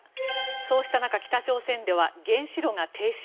そうした中、北朝鮮では原子炉が停止。